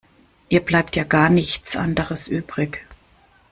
Ihr bleibt ja gar nichts anderes übrig.